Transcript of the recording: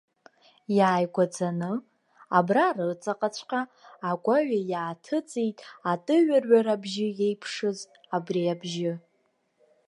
Иааигәаӡаны, абра рыҵаҟаҵәҟьа, агәаҩа иааҭыҵит, атыҩарҩар абжьы иеиԥшыз абри абжьы.